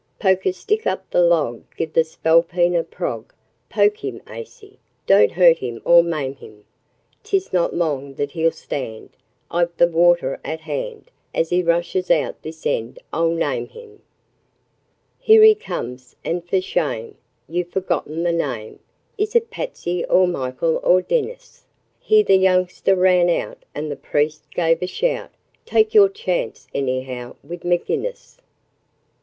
'Poke a stick up the log, give the spalpeen a prog; Poke him aisy don't hurt him or maim him, 'Tis not long that he'll stand, I've the water at hand, As he rushes out this end I'll name him. 'Here he comes, and for shame! ye've forgotten the name Is it Patsy or Michael or Dinnis?' Here the youngster ran out, and the priest gave a shout 'Take your chance, anyhow, wid 'Maginnis'!'